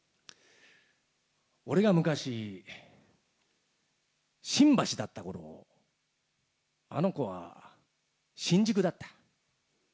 俺が昔、新橋だった頃、あの子は新宿だった。